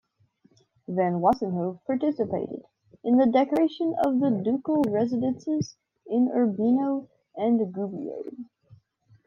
Van Wassenhove participated in the decoration of the ducal residences in Urbino and Gubbio.